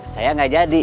saya gak jadi